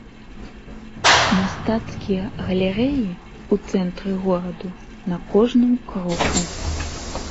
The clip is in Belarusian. Мастацкія галерэі ў цэнтры гораду на кожным кроку.